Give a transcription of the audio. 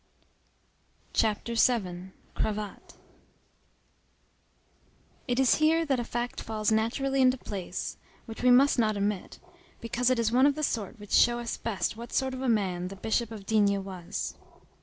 CHAPTER VII—CRAVATTE It is here that a fact falls naturally into place, which we must not omit, because it is one of the sort which show us best what sort of a man the Bishop of D—— was.